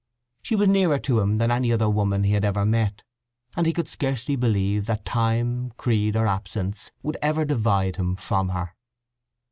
She was nearer to him than any other woman he had ever met, and he could scarcely believe that time, creed, or absence, would ever divide him from her.